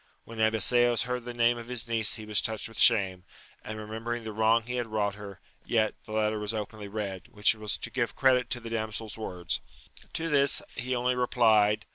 When Abiseos heard the name of his niece he was touched with shame, remembering the wrong he had wrought her ; yet, the letter was openly read, which was to give credit to the damseFs words. To this he only replied.